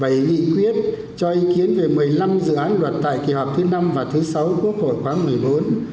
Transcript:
bảy nghị quyết cho ý kiến về một mươi năm dự án luật tại kỳ họp thứ năm và thứ sáu quốc hội quán một mươi bốn